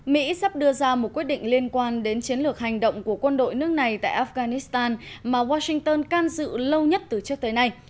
mỹ sắp đưa ra một quyết định liên quan đến chiến lược hành động của quân đội nước này tại afghanistan mà washington can dự lâu nhất từ trước tới nay